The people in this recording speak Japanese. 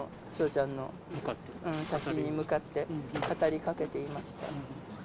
ちゃんの写真に向かって、語りかけていました。